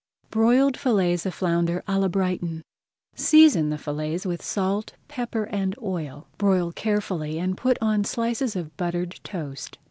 BROILED FILLETS OF FLOUNDER À LA BRIGHTON Season the fillets with salt, pepper, and oil. Broil carefully and put on slices of buttered toast.